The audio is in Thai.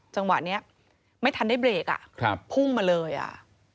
จังหวะนี้ไม่ทันได้เบรกอ่ะครับพุ่งมาเลยอ่ะ